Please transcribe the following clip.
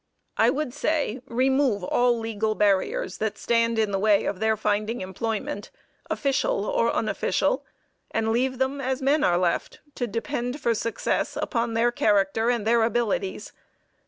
I would say, remove all legal barriers that stand in the way of their finding employment, official or unofficial, and leave them as men are left, to depend for success upon their character and their abilities.